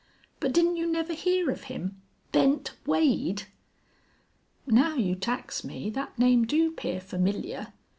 "But didn't you never hear of him? Bent Wade?" "Now you tax me, thet name do 'pear familiar.